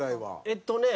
えっとね